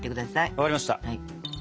分かりました。